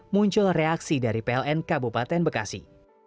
muncul reaksi dari pln kabupaten bekasi